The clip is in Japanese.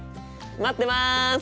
待ってます！